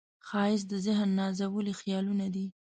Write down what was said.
ښایست د ذهن نازولي خیالونه دي